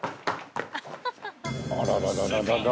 あらららららら。